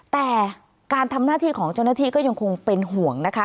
แต่การทำหน้าที่ของเจ้าหน้าที่ก็ยังคงเป็นห่วงนะคะ